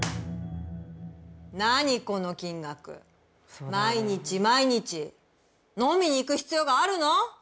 何この金額毎日毎日飲みに行く必要があるの？